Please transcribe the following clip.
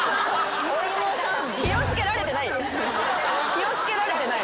気をつけられてない。